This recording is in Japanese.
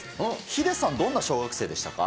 ヒデさん、どんな小学生でしたか？